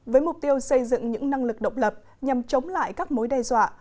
với mục tiêu xây dựng những năng lực độc lập nhằm chống lại các mối đe dọa